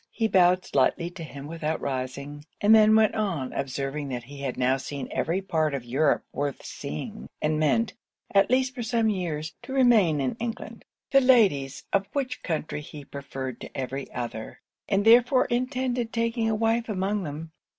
He bowed slightly to him without rising, and then went on, observing that he had now seen every part of Europe worth seeing, and meant, at least for some years, to remain in England; the ladies of which country he preferred to every other, and therefore intended taking a wife among them.